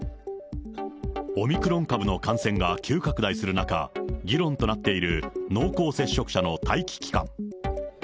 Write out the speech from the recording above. オミクロン株の感染が急拡大する中、議論となっている濃厚接触者の待機期間。